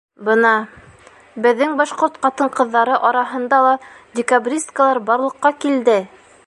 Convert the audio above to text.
- Бына... беҙҙең башҡорт ҡатын-ҡыҙҙары араһында ла декабристкалар барлыҡҡа килде!